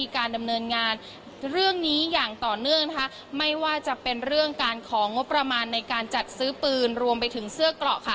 อย่างต่อเนื่องไม่ว่าจะเป็นเรื่องของงบประมาณในการจัดซื้อปืนการทร๑๙๔๗นรวมไปถึงเสื้อกล่อ